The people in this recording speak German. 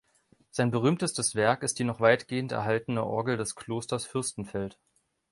Sein berühmtestes Werk ist die noch weitgehend erhaltene Orgel des Klosters Fürstenfeld.